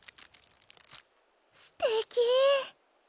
すてき。